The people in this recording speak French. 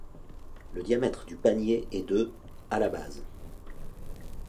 Le diamètre du panier est de à la base.